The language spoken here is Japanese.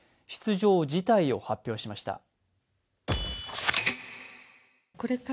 出場辞退を発表しました。